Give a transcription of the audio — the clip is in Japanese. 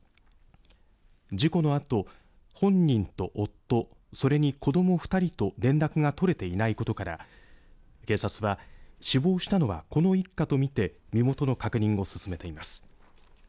事故のあと本人と夫、それに子ども２人と連絡が取れていないことから警察は死亡したのはこの一家と見て身元の確認を進めています。